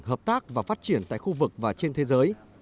hợp tác và phát triển tại khu vực và trên thế giới